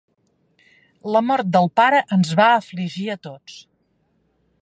La mort del pare ens va afligir a tots.